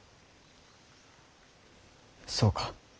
そうか。